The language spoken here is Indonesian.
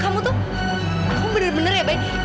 kamu tuh kamu bener bener ya bayu